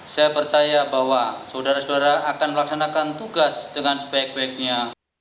saya percaya bahwa saudara saudara akan melaksanakan tugas dengan sebaik baiknya